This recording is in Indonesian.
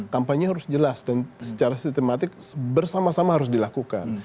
kampanye harus jelas dan secara sistematik bersama sama harus dilakukan